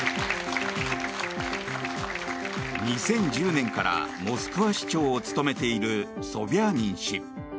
２０１０年からモスクワ市長を務めているソビャーニン氏。